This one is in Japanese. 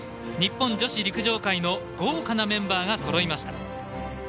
日本女子陸上界の豪華なメンバーがそろいました。